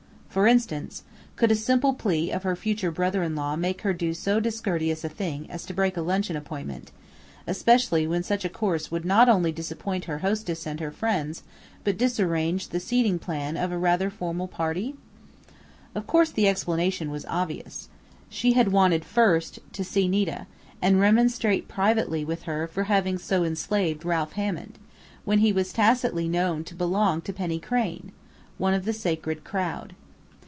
For instance, could a simple plea of her future brother in law make her do so discourteous a thing as to break a luncheon appointment, especially when such a course would not only disappoint her hostess and her friends but disarrange the seating plan of a rather formal party? Of course the explanation was obvious. She had wanted, first, to see Nita and remonstrate privately with her for having so enslaved Ralph Hammond, when he was tacitly known to "belong" to Penny Crain one of the sacred crowd.